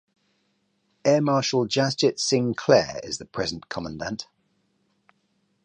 Air Marshal Jasjit Singh Kler is the present commandant.